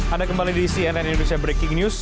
anda kembali di cnn indonesia breaking news